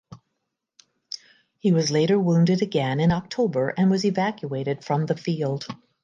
He was later wounded again in October and was evacuated from the field.